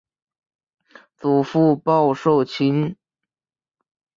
祖父鲍受卿。